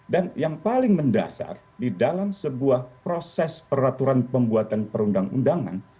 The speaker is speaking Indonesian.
dan yang paling mendasar di dalam sebuah proses peraturan pembuatan perundang undangan